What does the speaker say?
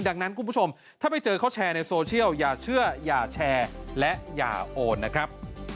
ดังนั้นคุณผู้ชมถ้าไปเจอเขาแชร์ในโซเชียลอย่าเชื่ออย่าแชร์และอย่าโอนนะครับ